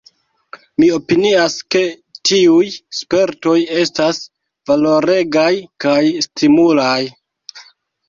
Mi opinias ke tiuj spertoj estas valoregaj kaj stimulaj.